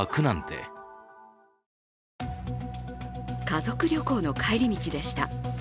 家族旅行の帰り道でした。